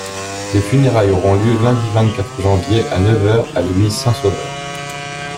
Les funérailles auront lieu le Lundi vingt-quatre Janvier, à neuf heures, en l'église Saint-Sauveur.